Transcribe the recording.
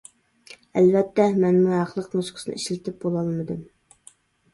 ئەلۋەتتە مەنمۇ ھەقلىق نۇسخىسىنى ئىشلىتىپ بولالمىدىم.